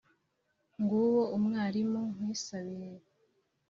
Nguwo umwalimu nkwisabiye: